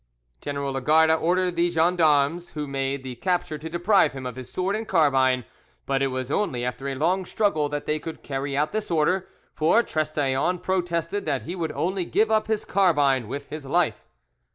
General Lagarde ordered the gens d'armes who made the capture to deprive him of his sword and carbine, but it was only after a long struggle that they could carry out this order, for Trestaillons protested that he would only give up his carbine with his life.